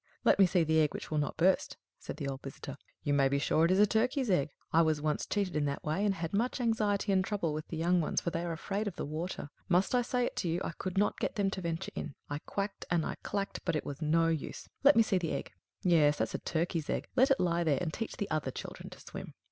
"Let me see the egg which will not burst," said the old visitor. "You may be sure it is a turkey's egg. I was once cheated in that way, and had much anxiety and trouble with the young ones, for they are afraid of the water. Must I say it to you, I could not get them to venture in. I quacked and I clacked, but it was no use. Let me see the egg. Yes, that's a turkey's egg. Let it lie there, and teach the other children to swim."